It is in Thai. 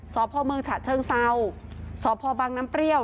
สพเมืองฉะเชิงเศร้าสพบังน้ำเปรี้ยว